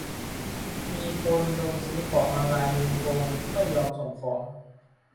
- มีคนโดนซื้อของออนไลน์โดนโกงไม่ยอมส่งของ